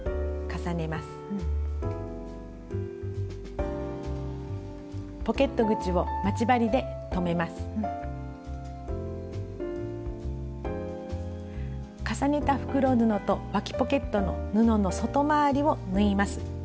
重ねた袋布とわきポケットの布の外回りを縫います。